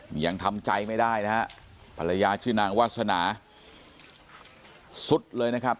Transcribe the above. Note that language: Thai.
นี่ยังทำใจไม่ได้นะฮะภรรยาชื่อนางวาสนาสุดเลยนะครับ